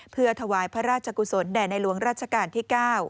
ที่ด้วยทวายพระราชกุศลแหน่นรวงราชกาลที่๙